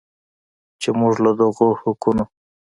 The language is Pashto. چې موږ له دغو حقونو